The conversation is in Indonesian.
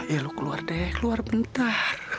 ya lo keluar deh keluar bentar